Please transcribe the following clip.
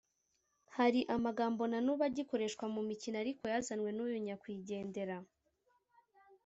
hari amagambo na nubu agikoreshwa mu mikino ariko yazanywe n’uyu nyakwigendera